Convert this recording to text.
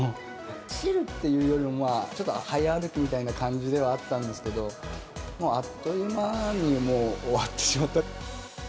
走るっていうよりは、ちょっと早歩きみたいな感じではあったんですけど、あっというまにもう終わってしまった。